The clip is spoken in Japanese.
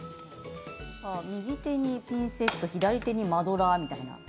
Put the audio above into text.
右手にピンセット左手にマドラーみたいな。